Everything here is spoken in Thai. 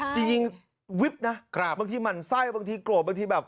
จริงวิบนะบางทีหมั่นไส้บางทีโกรธบางทีแบบ